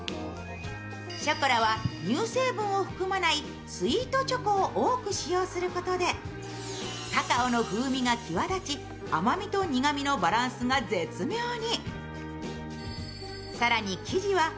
ショコラは乳成分を含まないスイートチョコを多く使用することでカカオの風味が際立ち甘みと苦みのバランスが絶妙に。